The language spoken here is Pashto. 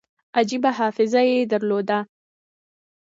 عجیبه حافظه یې درلوده.